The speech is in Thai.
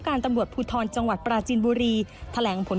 เขาปาดหน้าผมแล้วก็เอาหน้ากวันใส่ผม